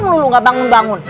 mulut gak bangun bangun